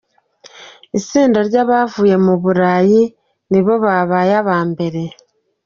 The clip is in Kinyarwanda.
Itsinda ry'abavuye mu Burayi ni bo babaye aba mbere.